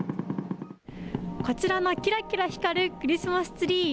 こちらのきらきら光るクリスマスツリー。